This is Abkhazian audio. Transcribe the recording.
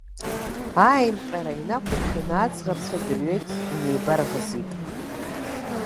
Аимҟьара инақәыршәаны аӡӷабцәа дырҩегьых инеибарӷзит.